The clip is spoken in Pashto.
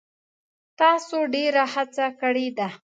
تاسو ډیره هڅه کړې ده.